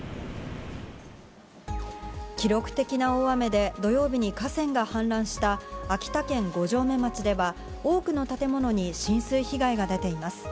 記録的な大雨で土曜日に河川が氾濫した秋田県五城目町では、多くの建物に浸水被害が出ています。